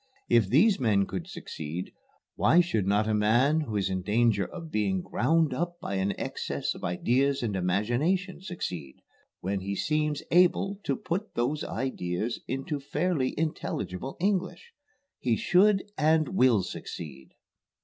If these men could succeed, why should not a man who is in danger of being ground up by an excess of ideas and imagination succeed, when he seems able to put those ideas into fairly intelligible English? He should and will succeed."